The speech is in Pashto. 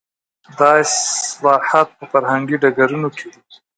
دا اصلاحات په فرهنګي ډګرونو کې دي.